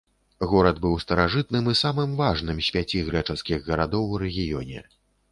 Горад быў старажытным і самым важным з пяці грэчаскіх гарадоў у рэгіёне.